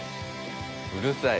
うるさい。